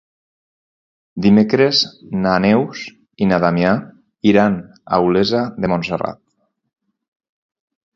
Dimecres na Neus i na Damià iran a Olesa de Montserrat.